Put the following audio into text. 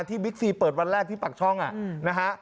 ที่วิคซีเปิดวันแรกที่ปากช่องอ่ะนะฮะ